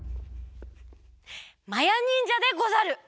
まやにんじゃでござる！